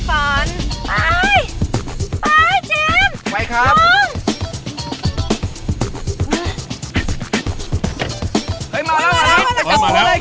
ท่านมาแล้วจับตัวเลย